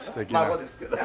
孫ですけど。